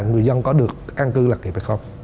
người dân có được an cư là kiện phải không